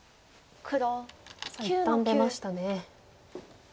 さあ一旦出ましたね。